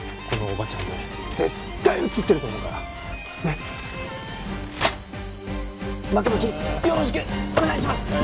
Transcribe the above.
このおばちゃんね絶対写ってると思うからねっマキマキよろしくお願いします